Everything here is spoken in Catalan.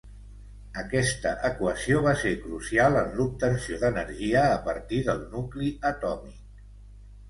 Aquesta equació va ser crucial en l'obtenció d'energia a partir del nucli atòmic.